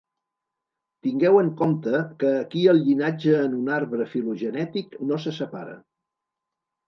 Tingueu en compte que aquí el llinatge en un arbre filogenètic no se separa.